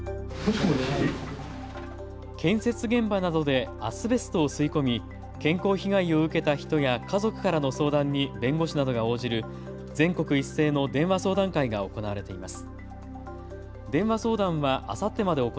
建設現場などでアスベストを吸い込み健康被害を受けた人や家族からの相談に弁護士などが応じる全国一斉の電話相談会が行われています。